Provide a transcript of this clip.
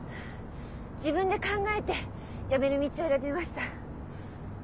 自分で考えて辞める道を選びました。